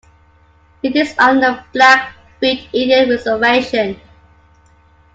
It is on the Blackfeet Indian Reservation.